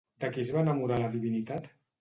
De qui es va enamorar la divinitat?